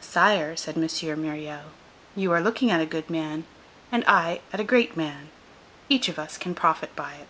"Sire," said M. Myriel, "you are looking at a good man, and I at a great man. Each of us can profit by it."